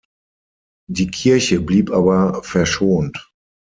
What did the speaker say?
Die Kirche blieb aber verschont.